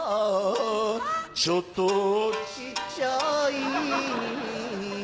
ちょっと小っちゃい